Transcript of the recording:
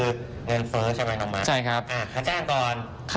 เงินเฟ้อใช่ไหมน้องมันค่าจ้างก่อนใช่ครับ